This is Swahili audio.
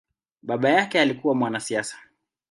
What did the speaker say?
Baba yake alikua mwanasiasa.